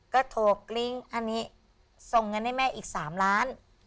ก็โทรกลิ้งอันนี้ส่งเงินให้แม่อีก๓ล้าน